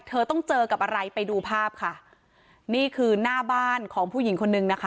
เธอต้องเจอกับอะไรไปดูภาพค่ะนี่คือหน้าบ้านของผู้หญิงคนนึงนะคะ